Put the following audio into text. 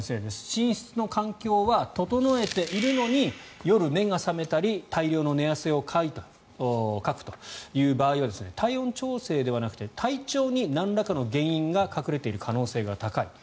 寝室の環境は整えているのに夜、目が覚めたり大量の寝汗をかくという場合は体温調整ではなくて体調になんらかの原因が隠れている可能性が高い。